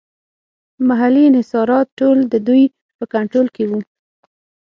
محلي انحصارات ټول د دوی په کنټرول کې وو.